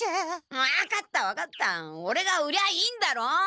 わかったわかったオレが売りゃあいいんだろ！